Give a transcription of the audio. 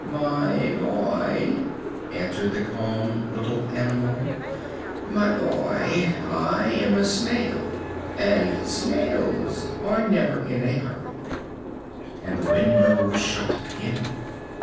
"My boy," answered the calm little animal "my boy, I am a snail, and snails are never in a hurry." And the window was shut again.